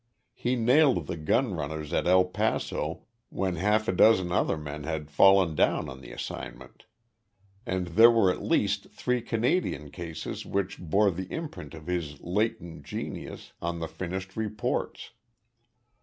He nailed the gun runners at El Paso when half a dozen other men had fallen down on the assignment, and there were at least three Canadian cases which bore the imprint of his latent genius on the finished reports.